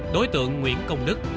đối tượng nguyễn công đức